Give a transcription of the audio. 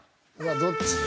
どっちだ？